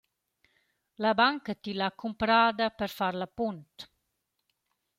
La banca tilla ha cumprada per far la punt.